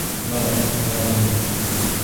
Яҙ, яҙын